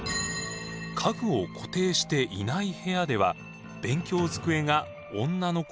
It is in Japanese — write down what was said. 家具を固定していない部屋では勉強机が女の子に倒れてきました。